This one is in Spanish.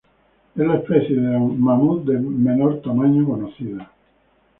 Es la especie de mamut de menor tamaño conocida.